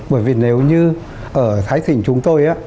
bởi vì nếu như ở thái thịnh chúng tôi á